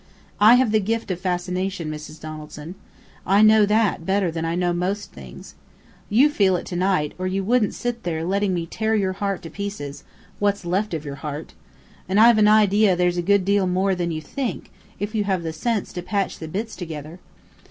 I have the gift of fascination, Mrs. Donaldson. I know that better than I know most things. You feel it to night, or you wouldn't sit there letting me tear your heart to pieces what's left of your heart. And I have an idea there's a good deal more than you think, if you have the sense to patch the bits together.